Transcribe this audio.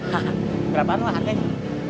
hah berapaan pak harganya